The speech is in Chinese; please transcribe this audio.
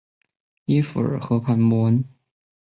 耶弗尔河畔默恩。